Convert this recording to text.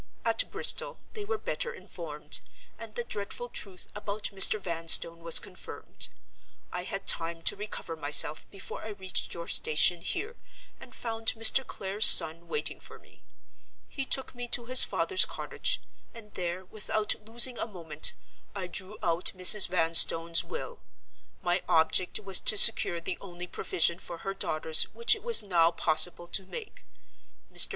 At Bristol, they were better informed; and the dreadful truth about Mr. Vanstone was confirmed. I had time to recover myself before I reached your station here, and found Mr. Clare's son waiting for me. He took me to his father's cottage; and there, without losing a moment, I drew out Mrs. Vanstone's will. My object was to secure the only provision for her daughters which it was now possible to make. Mr.